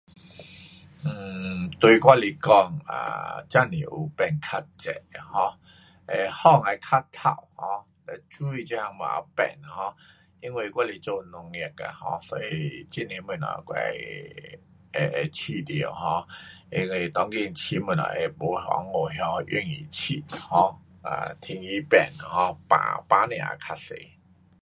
um 对我来讲 um 真是有较热，um 风也较透，um 水这样也变 um 因为我是做农业的，所以很多东西我会，会觉得 um 因为当今养东西没温故那容易养。um 天气变了 um 病，病痛也较多。